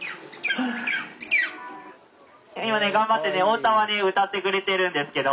「今ね頑張ってねお歌はね歌ってくれてるんですけど。